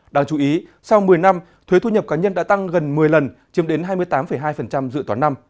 đáng chú ý sau một mươi năm thuế thu nhập cá nhân đã tăng gần một mươi lần chiếm đến hai mươi tám hai dự toán năm